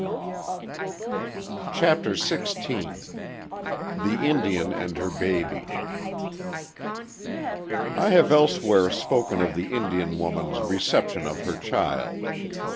] CHAPTER XVI THE INDIAN AND HER BABY I have elsewhere spoken of the Indian woman's reception of her child.